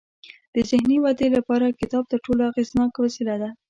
د ذهني ودې لپاره کتاب تر ټولو اغیزناک وسیله ده.